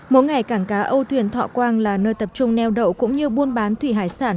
mỗi ngày cảng cá âu thuyền thọ quang là nơi tập trung neo đậu cũng như buôn bán thủy hải sản